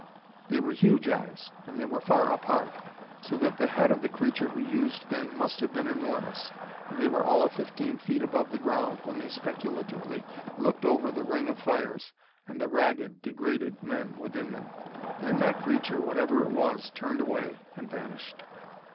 They were huge eyes, and they were far apart, so that the head of the creature who used them must have been enormous. And they were all of fifteen feet above the ground when they speculatively looked over the ring of fires and the ragged, degraded men within them. Then that creature, whatever it was, turned away and vanished.